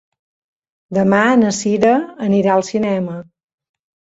Demà na Sira anirà al cinema.